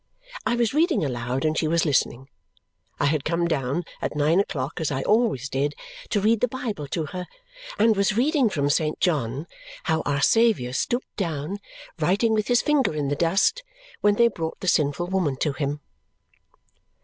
I was reading aloud, and she was listening. I had come down at nine o'clock as I always did to read the Bible to her, and was reading from St. John how our Saviour stooped down, writing with his finger in the dust, when they brought the sinful woman to him.